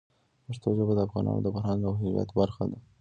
پښتو ژبه د افغانانو د فرهنګ او هویت برخه ده.